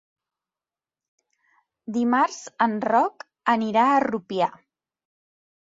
Dimarts en Roc anirà a Rupià.